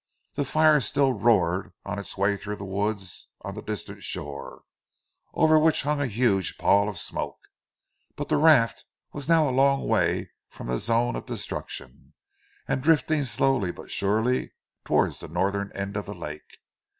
The fire still roared on its way through the woods on the distant shore, over which hung a huge pall of smoke, but the raft was now a long way from the zone of destruction and drifting slowly but surely towards the northern end of the lake.